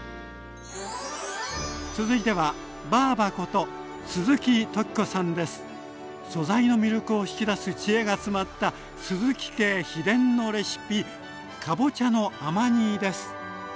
続いてはばぁばこと素材の魅力を引き出す知恵が詰まった鈴木家秘伝のレシピかぼちゃの甘煮です。